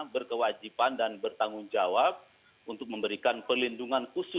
berkewajiban dan bertanggung jawab untuk memberikan perlindungan khusus